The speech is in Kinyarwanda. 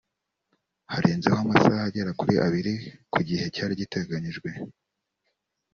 harenzeho amasaha agera kuri abiri ku gihe cyari giteganijwe